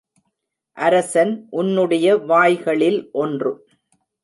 அரசன் உன்னுடைய வாய்களில் ஒன்று.